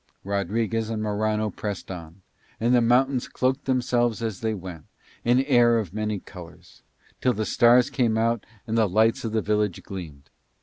Rodriguez and Morano pressed on, and the mountains cloaked themselves as they went, in air of many colours; till the stars came out and the lights of the village gleamed.